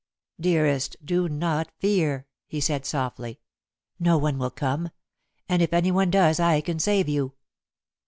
"Dearest, do not fear," he said softly. "No one will come; and if any one does I can save you."